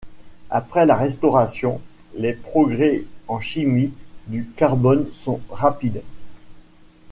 Après la Restauration, les progrès en chimie du carbone sont rapides.